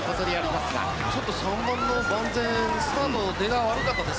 ちょっと３番のバンゼンスタートの出が悪かったですね